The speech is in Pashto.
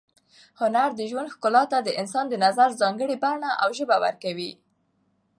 هنر د ژوند ښکلا ته د انسان د نظر ځانګړې بڼه او ژبه ورکوي.